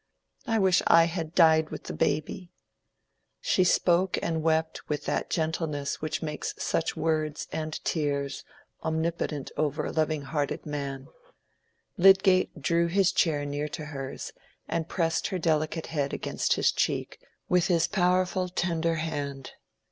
I wish I had died with the baby." She spoke and wept with that gentleness which makes such words and tears omnipotent over a loving hearted man. Lydgate drew his chair near to hers and pressed her delicate head against his cheek with his powerful tender hand.